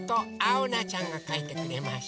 おなちゃんがかいてくれました。